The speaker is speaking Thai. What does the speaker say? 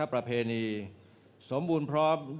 เวรบัติสุภิกษ์